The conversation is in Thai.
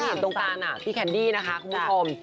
ที่เห็นตรงกลางพี่แคนดี้คุณผู้ชม